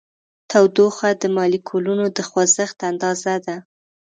تودوخه د مالیکولونو د خوځښت اندازه ده.